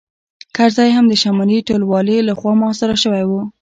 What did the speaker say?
کرزی هم د شمالي ټلوالې لخوا محاصره شوی و